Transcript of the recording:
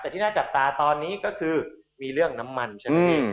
แต่ที่น่าจับตาตอนนี้ก็คือมีเรื่องน้ำมันใช่ไหมพี่